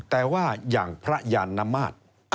แต่ว่าอย่างพระยานมาตร